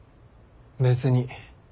別に。